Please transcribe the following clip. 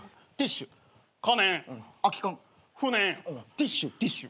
ティッシュティッシュ。